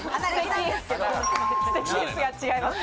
ピンポンステキですが違います